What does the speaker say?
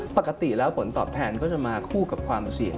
ปกติแล้วผลตอบแทนก็จะมาคู่กับความเสี่ยง